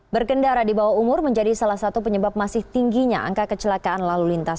berkendara di bawah umur menjadi salah satu penyebab masih tingginya angka kecelakaan lalu lintas